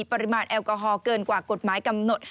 ปริมาณแอลกอฮอลเกินกว่ากฎหมายกำหนด